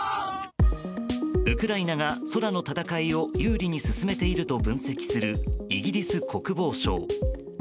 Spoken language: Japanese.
ウクライナが空の戦いを有利に進めていると分析するイギリス国防省。